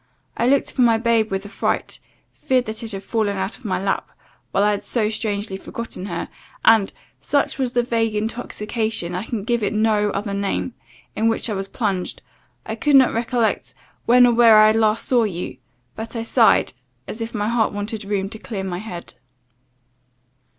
I looked for my babe with affright; feared that it had fallen out of my lap, while I had so strangely forgotten her; and, such was the vague intoxication, I can give it no other name, in which I was plunged, I could not recollect when or where I last saw you; but I sighed, as if my heart wanted room to clear my head.